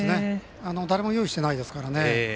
誰も用意してないですからね。